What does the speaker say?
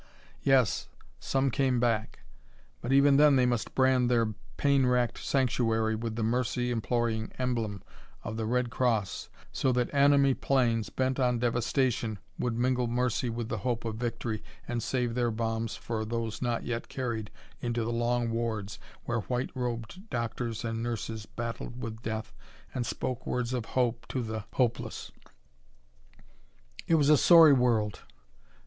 Yes, some came back. But even then they must brand their pain racked sanctuary with the mercy imploring emblem of the Red Cross so that enemy planes, bent on devastation, would mingle mercy with hope of victory and save their bombs for those not yet carried into the long wards where white robed doctors and nurses battled with death and spoke words of hope to the hopeless. It was a sorry world!